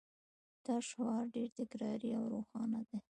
دا شعار ډیر تکراري او روښانه دی